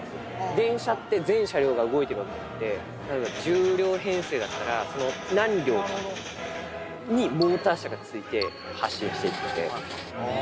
電車って全車両が動いているわけじゃなくて、１０両編成だったら、その何両かにモーター車がついて発進していくんで。